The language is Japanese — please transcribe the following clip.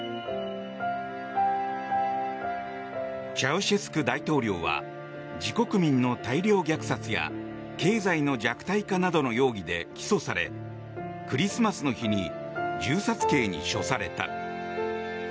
チャウシェスク大統領は自国民の大量虐殺や経済の弱体化などの容疑で起訴されクリスマスの日に銃殺刑に処された。